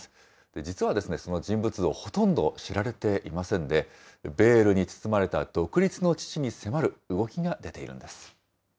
実はその人物像、ほとんど知られていませんで、ベールに包まれた独立の父に迫る動きが出ているんです。